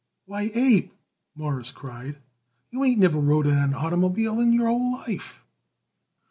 "Why, Abe," Morris cried, "you ain't never rode in an oitermobile in all your life."